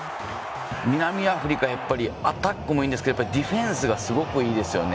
南アフリカはアタックもいいんですけどディフェンスがすごくいいですよね。